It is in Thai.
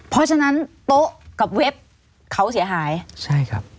เพราะฉะนั้นโต๊ะกับเว็บเขาเสียหายใช่ครับ